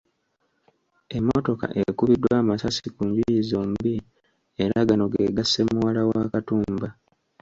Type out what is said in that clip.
Emmotoka ekubiddwa amasasi ku njuuyi zombi era gano ge gasse muwala wa Katumba .